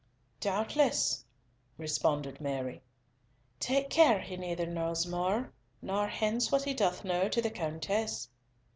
"Doubtless," responded Mary. "Take care he neither knows more, nor hints what he doth know to the Countess."